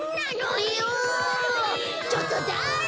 ちょっとだれ？